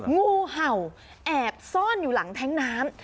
งูเห่าแอบซ่อนอยู่หลังแท้งน้ำ